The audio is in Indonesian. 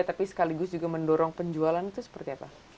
tapi sekaligus juga mendorong penjualan itu seperti apa